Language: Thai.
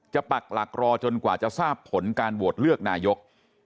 ปักหลักรอจนกว่าจะทราบผลการโหวตเลือกนายก